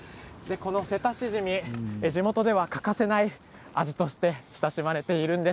このセタシジミ地元では欠かせない味として親しまれているんです。